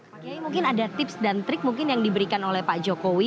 pak kiai mungkin ada tips dan trik mungkin yang diberikan oleh pak jokowi